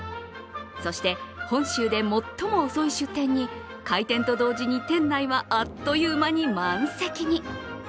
そして本州で最も遅い出店に開店と同時に店内はあっという間に満席に。